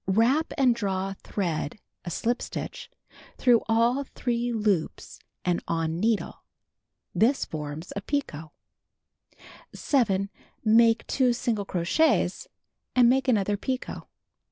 Wrap and draw thread (a shp stitch) through all three loops and on needle. This forms a picot. 7. Make 2 single crochets, and make another picot.